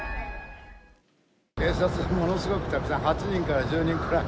警察がものすごくたくさん、８人から１０人くらい。